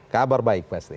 kabar baik pasti